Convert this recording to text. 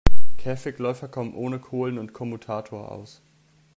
Käfigläufer kommen ohne Kohlen und Kommutator aus.